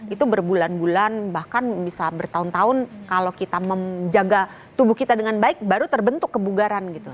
itu berbulan bulan bahkan bisa bertahun tahun kalau kita menjaga tubuh kita dengan baik baru terbentuk kebugaran gitu